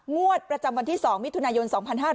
งวดประจำวันที่๒มิถุนายน๒๕๕๙